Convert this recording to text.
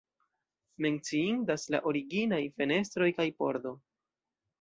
Menciindas la originaj fenestroj kaj pordo.